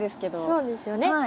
そうですよね。